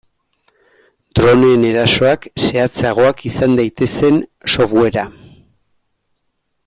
Droneen erasoak zehatzagoak izan daitezen softwarea.